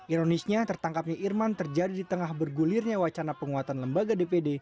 ironisnya tertangkapnya irman terjadi di tengah bergulirnya wacana penguatan lembaga dpd